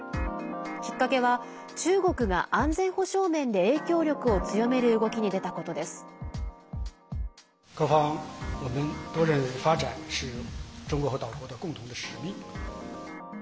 きっかけは、中国が安全保障面で影響力を強める動きに出たことです。